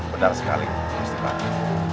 benar sekali ustik panti